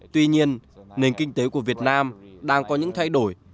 tuy nhiên nền kinh tế của việt nam đang có những thay đổi